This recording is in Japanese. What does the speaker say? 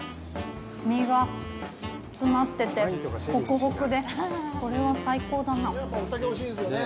身が詰まっててホクホクでこれは最高だなあ。